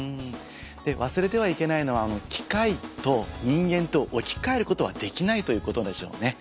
で忘れてはいけないのは機械と人間とを置き換えることはできないということでしょうね。